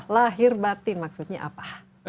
lahir batin maksudnya apa